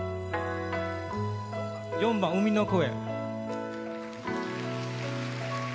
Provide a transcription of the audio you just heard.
４番「海の声」。